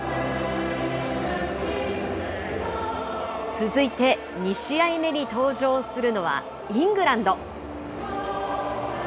続いて２試合目に登場するのはイングランド。